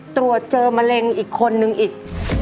ตรวจเจอมะเร็งอีกคนนึงอีก